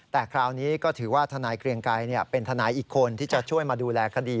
แต่คราวนี้ก็ถือว่าทนายเกรียงไกรเป็นทนายอีกคนที่จะช่วยมาดูแลคดี